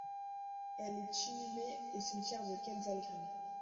Elle est inhumée au cimetière de Kensal Green.